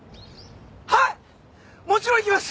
はいもちろん行きます。